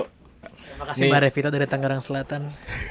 makasih mbak revita dari tangerang selatan